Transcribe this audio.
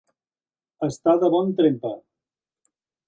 Estar de bon trempa.